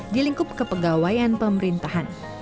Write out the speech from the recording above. di lingkup kepegawaian pemerintahan